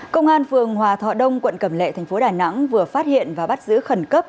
công an phường hòa thọ đông quận cẩm lệ thành phố đà nẵng vừa phát hiện và bắt giữ khẩn cấp